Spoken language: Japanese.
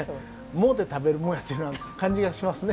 もうて食べるもんという感じがしますね。